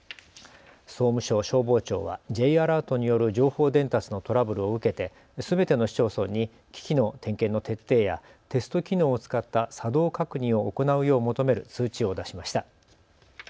総務省消防庁はＪアラートによる情報伝達のトラブルを受けてすべての市町村に機器の点検の徹底やテスト機能を使った作動確認を行うよう求める通知を出しました。